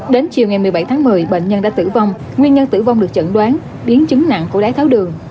đến chiều ngày một mươi bảy tháng một mươi bệnh nhân đã tử vong nguyên nhân tử vong được chẩn đoán biến chứng nặng của đáy tháo đường